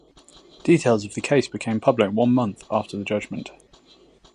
Details of the case became public one month after the judgement.